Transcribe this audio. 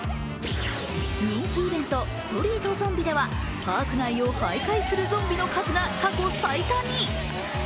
人気イベント「ストリート・ゾンビ」でははいかいするゾンビの数が過去最多に。